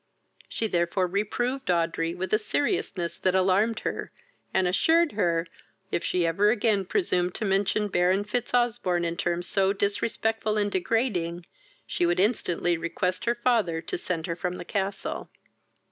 She therefore reproved Audrey with a seriousness that alarmed her, and assured her, if she ever again presumed to mention Baron Fitzosbourne in terms so disrespectful and degrading, she would instantly request her father to send her from the castle.